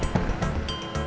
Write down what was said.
tidak ada yang bisa dihentikan